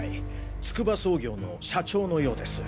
ツクバ総業の社長のようです。